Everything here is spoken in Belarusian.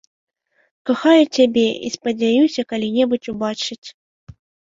Кахаю цябе і спадзяюся калі-небудзь убачыць.